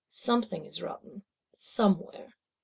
Something is rotten, somewhere.